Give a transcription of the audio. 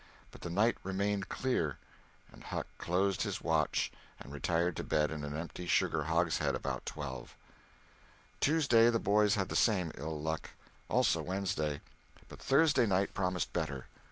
But the night remained clear, and Huck closed his watch and retired to bed in an empty sugar hogshead about twelve. Tuesday the boys had the same ill luck. Also Wednesday. But Thursday night promised better.